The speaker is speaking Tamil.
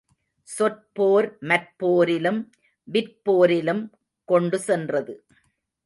சொற்போர் மற்போரிலும் விற்போரிலும் கொண்டு சென்றது.